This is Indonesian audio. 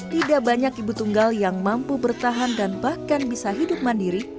tidak banyak ibu tunggal yang mampu bertahan dan bahkan bisa hidup mandiri